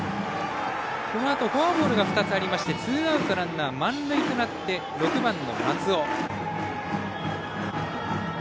このあとフォアボールが２つありましてツーアウトランナー満塁となって６番、松尾。